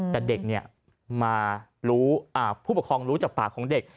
แต่ผู้ปกครองรู้จากปากของเด็ก